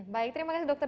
baik terima kasih dokter